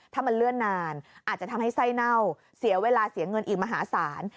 ถ้ามันเลื่อนนานอาจจะทำให้ไส้เน่าเสียเวลาเสียเงินอีกมหาศาล